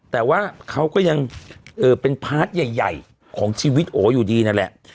แต่ว่าเขาก็ยังเป็นพาร์ทใหญ่ของชีวิตโออยู่ดีนั่นแหละ